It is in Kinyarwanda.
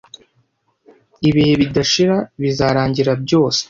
ibihe bidashira bizarangira byose